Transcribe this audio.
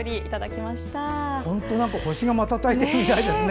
本当に星が瞬いているみたいですね。